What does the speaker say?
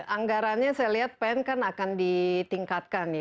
anggarannya saya lihat pen akan ditingkatkan